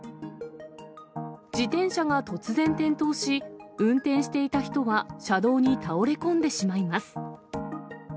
自転車が突然転倒し、運転していた人は車道に倒れ込んでしまいます。